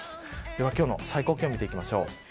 では今日の最高気温見ていきましょう。